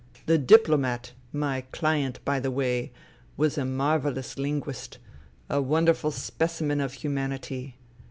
The diplomat, my client, by the way, was a marvellous linguist, a wonderful specimen of humanity.